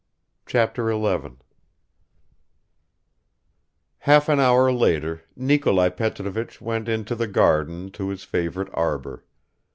Chapter 11 HALF AN HOUR LATER NIKOLAI PETROVICH WENT INTO THE garden to his favorite arbor.